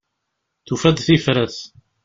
Tufa-d tifrat.